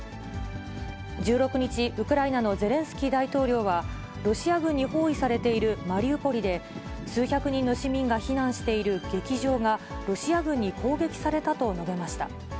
１６日、ウクライナのゼレンスキー大統領は、ロシア軍に包囲されているマリウポリで、数百人の市民が避難している劇場が、ロシア軍に攻撃されたと述べました。